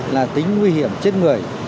là tính nguy hiểm chết người